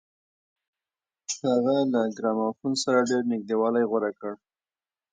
هغه له ګرامافون سره ډېر نږدېوالی غوره کړ.